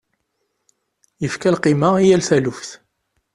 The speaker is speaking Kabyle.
Yefka lqima i yal taluft.